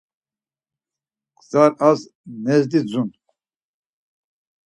Gzas ar nedzi dzun.